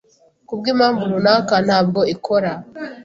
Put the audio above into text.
Kubwimpamvu runaka, ntabwo ikora.